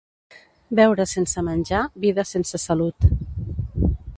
Beure sense menjar, vida sense salut.